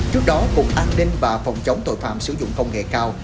trước đó cục an ninh và phòng chống tội phạm sử dụng công nghệ cao